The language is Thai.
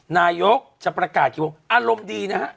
นายกจะประกาศกี่วงอารมณ์ดีนะฮะ